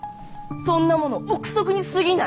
そんなもの臆測にすぎない。